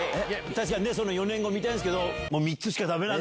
その４年後見たいんですけど。